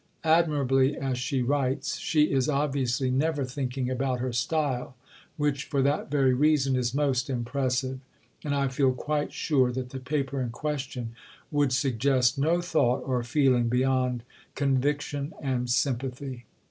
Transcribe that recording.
Admirably as she writes, she is obviously never thinking about her style; which, for that very reason, is most impressive; and I feel quite sure that the Paper in question would suggest no thought or feeling beyond conviction and sympathy."